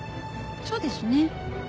そうですね。